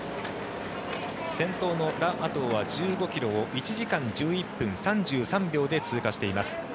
先頭のラ・アトウは１５ｋｍを１時間１１分３３秒で通過しています。